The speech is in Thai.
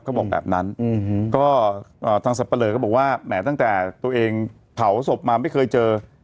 บอกแบบนั้นก็ทางสับปะเลอก็บอกว่าแหมตั้งแต่ตัวเองเผาศพมาไม่เคยเจอ